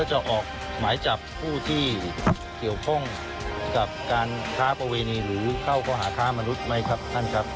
จะออกหมายจับผู้ที่เกี่ยวข้องกับการค้าประเวณีหรือเข้าข้อหาค้ามนุษย์ไหมครับท่านครับ